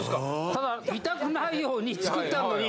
ただ痛くないように作ってあんのに。